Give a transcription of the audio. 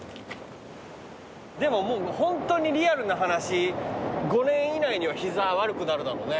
でももうホントにリアルな話５年以内には膝悪くなるだろうね。